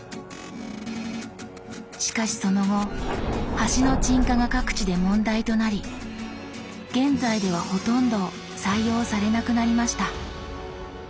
しかしその後橋の沈下が各地で問題となり現在ではほとんど採用されなくなりました。